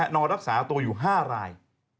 นอนรักษาตัวอยู่๕ราย